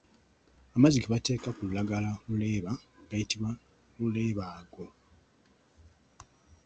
Amazzi ge bateeka ku lulagala oluleeba gayitibwa Oluleebago.